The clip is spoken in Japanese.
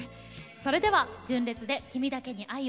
それでは純烈で「君だけに愛を」。